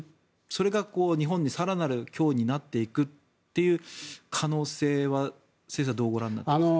それが日本に更なる脅威になっていくという可能性は先生はどうご覧になっていますか？